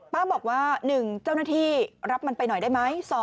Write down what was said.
บอกว่า๑เจ้าหน้าที่รับมันไปหน่อยได้ไหม